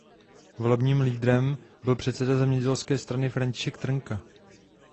Volebním lídrem byl předseda Zemědělské strany František Trnka.